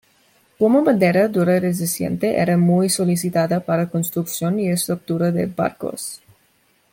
Como madera dura resistente era muy solicitada para construcción y estructura de barcos.